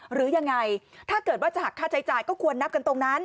หรือยังไงถ้าเกิดว่าจะหักค่าใช้จ่ายก็ควรนับกันตรงนั้น